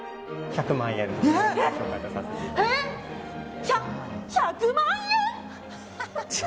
ひゃ、１００万円！？